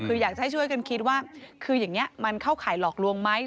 คืออยากจะให้ช่วยกันคิดว่าคืออย่างนี้มันเข้าข่ายหลอกลวงไหม